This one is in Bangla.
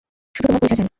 শুধু তোমার পরিচয় জানি।